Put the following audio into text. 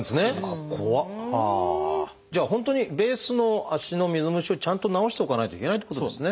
じゃあ本当にベースの足の水虫をちゃんと治しておかないといけないってことですね。